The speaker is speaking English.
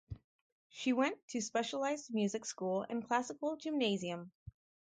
She went to specialized music school and classical gymnasium.